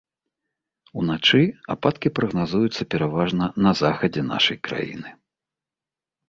Уначы ападкі прагназуюцца пераважна на захадзе нашай краіны.